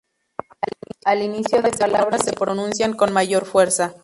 Al inicio de palabra se pronuncian con mayor fuerza.